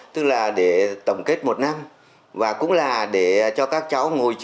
tức là để tổng kết một năm và cũng là để cho các cháu ngồi chơi